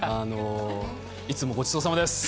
いつもごちそうさまです。